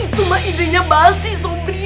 itu mah ide nya basi sobri